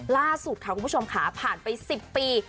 ล่าสุดค่ะคุณผู้ชมค่ะผ่านไป๑๐ปี